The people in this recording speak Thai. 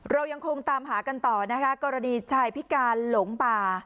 เรายังคงตามหากันต่อนะคะกรณีชายพิการหลงป่า